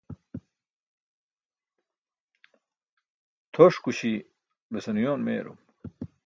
Tʰoṣkuśi besan uyoon meyarum.